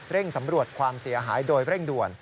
สำรวจความเสียหายโดยเร่งด่วน